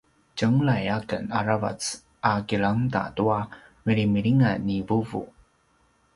tjengelay aken aravac a kilangeda tua milimilingan ni vuvu